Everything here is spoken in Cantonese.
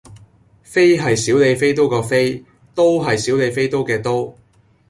飛係小李飛刀嘅飛，刀係小李飛刀嘅刀